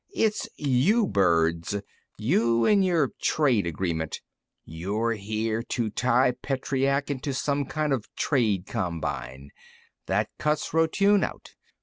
"It's you birds. You and your trade agreement. You're here to tie Petreac into some kind of trade combine. That cuts Rotune out.